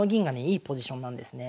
いいポジションなんですね。